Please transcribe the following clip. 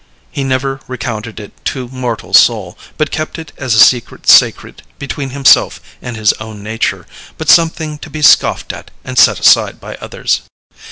He never recounted it to mortal soul, but kept it as a secret sacred between himself and his own nature, but something to be scoffed at and set aside by others.